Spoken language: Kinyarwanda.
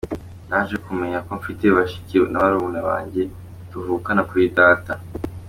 Naje kumenya ko mfite bashiki na barumuna banjye tuvukana kuri Data.